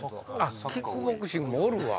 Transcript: キックボクシングもおるわ。